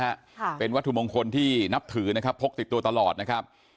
ค่ะเป็นวัตถุมงคลที่นับถือนะครับพกติดตัวตลอดนะครับ